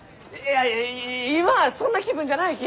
いや今はそんな気分じゃないき！